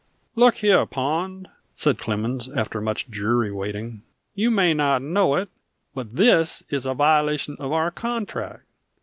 "Look here, Pond!" said Clemens after much dreary waiting. "You may not know it, but this is a violation of our contract.